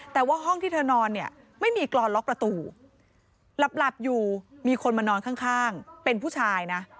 แต่ว่าห้องที่เธอนอนเนี่ยไม่มีกรอนล็อกประตูหลับอยู่มีคนมานอนข้างเป็นผู้ชายนะ